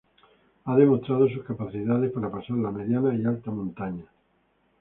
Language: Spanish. Ha demostrado sus capacidades para pasar la mediana y alta montaña.